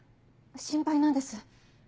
心配なんです。